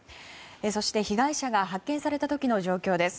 そして被害者が発見された時の状況です。